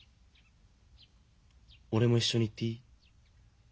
俺も一緒に行っていい？